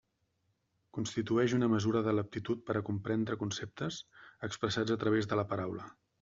Constitueix una mesura de l'aptitud per a comprendre conceptes, expressats a través de la paraula.